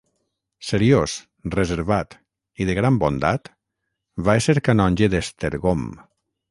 Seriós, reservat i de gran bondat, va ésser canonge d'Esztergom.